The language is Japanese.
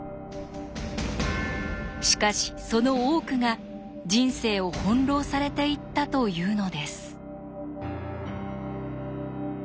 しかしその多くが人生を翻弄されていったというのです。